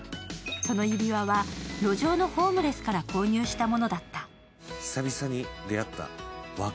その指輪は路上のホームレスから購入したものだった。